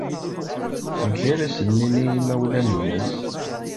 Amek ara asen-nini i yimawlan-nnes?